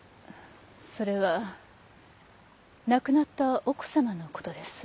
それは亡くなった奥様のことです。